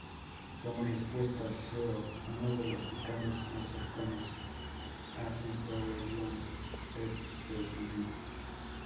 Como respuesta Ceo, un de los Titanes más cercanos a Hiperión, es revivido.